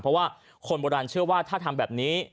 เพราะว่าคนโบราณเชื่อว่าถ้าทำแบบนี้